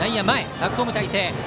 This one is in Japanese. バックホーム態勢。